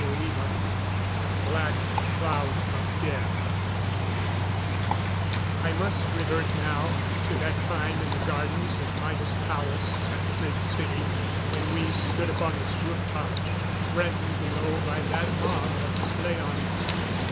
CHAPTER XXVI Black Cloud of Death I must revert now to that time in the gardens of Maida's palace at the Great City when we stood upon its roof top, threatened below by that mob of slaans.